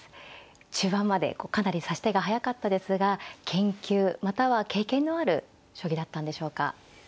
中盤までかなり指し手が速かったですが研究または経験のある将棋だったんでしょうか。